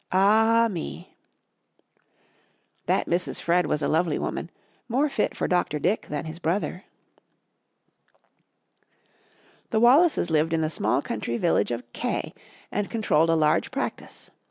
Ah me! That Mrs. Fred was a lovely woman, more fit for Dr. Dick than his brother. The Wallaces lived in the small country village of K and controlled a large practice.